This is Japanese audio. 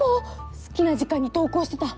好きな時間に投稿してた。